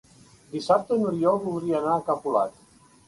Dissabte n'Oriol voldria anar a Capolat.